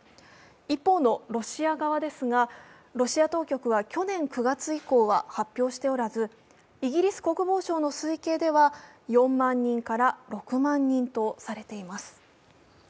一方のロシア側ですが、ロシア当局は去年９月以降は発表しておらず、イギリス国防省の推計では４万人から６万人とされています。